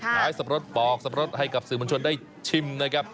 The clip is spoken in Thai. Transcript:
สับปะรดปอกสับปรดให้กับสื่อมวลชนได้ชิมนะครับ